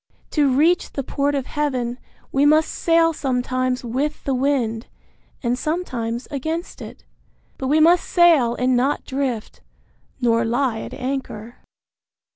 To reach the port of Heaven we must sail sometimes with the wind, and sometimes against it; but we must sail and not drift, nor lie at anchor.